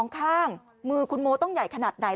ข้างมือคุณโมต้องใหญ่ขนาดไหน